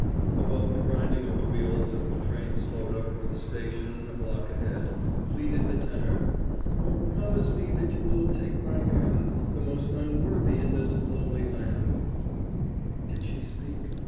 Above the grinding of the wheels as the train slowed up for the station a block ahead, pleaded the tenor: Oh, promise me that you will take my hand, The most unworthy in this lonely land Did she speak?